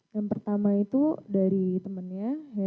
yang pertama itu dari temannya